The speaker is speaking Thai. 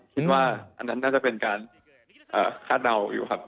อันนั้นน่าจะเป็นการคาดเดาอยู่ครับ